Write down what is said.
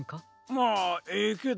まあええけど。